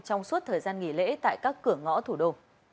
trong suốt thời gian nghỉ lễ tại các cửa ngõ thủ đô